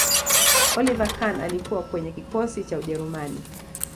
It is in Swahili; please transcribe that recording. oliver kahn alikuwa kwenye kikosi cha ujerumani